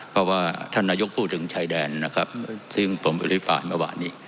เพราะว่าท่านนายกพูดถึงชายแดนนะครับซึ่งผมอภิปรายเมื่อวานนี้